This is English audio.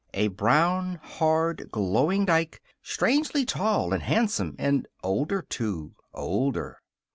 A brown, hard, glowing Dike, strangely tall and handsome and older, too. Older.